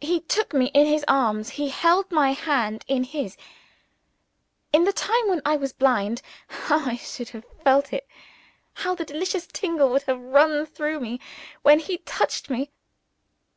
He took me in his arms; he held my hand in his. In the time when I was blind, how I should have felt it! how the delicious tingle would have run through me when he touched me!